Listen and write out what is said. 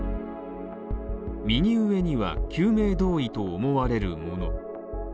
右上には救命胴衣と思われるもの